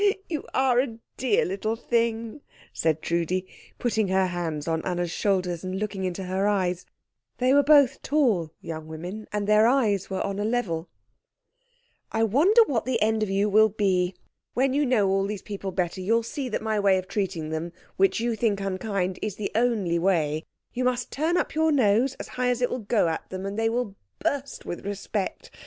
"Oh, you are a dear little thing!" said Trudi, putting her hands on Anna's shoulders and looking into her eyes they were both tall young women, and their eyes were on a level "I wonder what the end of you will be. When you know all these people better you'll see that my way of treating them, which you think unkind, is the only way. You must turn up your nose as high as it will go at them, and they will burst with respect.